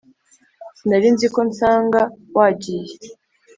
sinarinziko nsanga wagiye